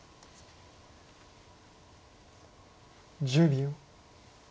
１０秒。